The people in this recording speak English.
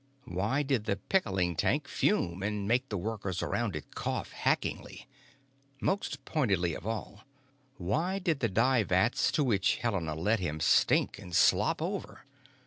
Why did the pickling tank fume and make the workers around it cough hackingly? Most pointed of all, why did the dye vats to which Helena led him stink and slop over?